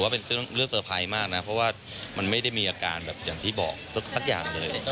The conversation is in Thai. เพราะว่ามันไม่ได้มีอาการแบบอย่างที่บอกสักอย่างเลย